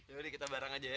yaudah kita bareng aja ya